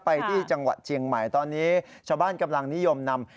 ไปที่จังหวัดเชียงใหม่ตอนนี้ชาวบ้านกำลังนิยมนำ